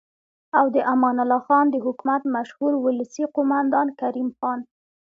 او د امان الله خان د حکومت مشهور ولسي قوماندان کریم خان